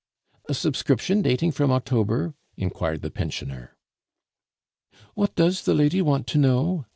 "A subscription dating from October?" inquired the pensioner. "What does the lady want to know?"